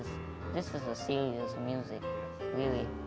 tapi saya sangat menyukai musik ini